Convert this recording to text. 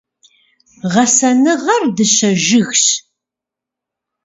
Гъэсэныгъэр дыщэ жыгщ.